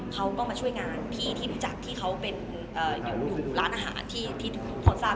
เขาก็มาช่วยงานพี่ที่รู้จักที่เขาเป็นอยู่ร้านอาหารที่ทุกคนทราบ